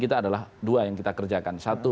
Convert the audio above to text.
kita adalah dua yang kita kerjakan satu